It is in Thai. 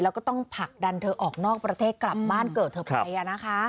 แล้วก็ต้องผลักดันเธอออกนอกประเทศกลับบ้านเกิดเธอไป